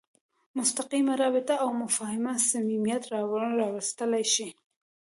مستقیمه رابطه او مفاهمه صمیمیت راوستلی شي.